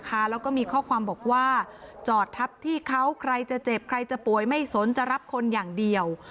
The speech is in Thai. แล้วก็มีข้อความบอกว่าจอดทับที่เขาใครจะเจ็บใครจะป่วยไม่สนจะรับคนอย่างเดียว